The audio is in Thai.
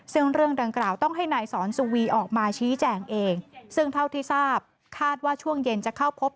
ซึ่งเรื่องดังกล่าวต้องให้นายสอนสุวีออกมาชี้แจงเองซึ่งเท่าที่ทราบคาดว่าช่วงเย็นจะเข้าพบ